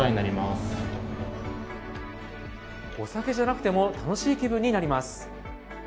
お酒じゃなくても楽しい気分になります。